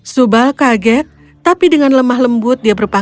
subal kaget tapi dengan lemah lembut dilaporkan